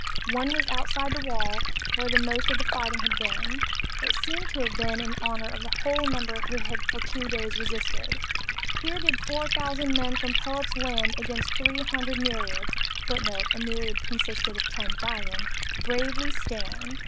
One was outside the wall, where most of the fighting had been. It seems to have been in honor of the whole number who had for two days resisted "Here did four thousand men from Pelops' land Against three hundred myriads [Footnote: A myriad consisted of ten thousand.] bravely stand."